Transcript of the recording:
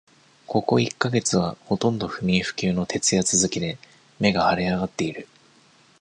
ここ一ヶ月は、ほとんど不眠不休の徹夜続きで、目が腫れ上がっている。